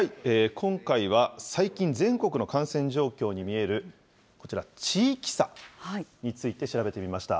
今回は、最近、全国の感染状況に見えるこちら、地域差について調べてみました。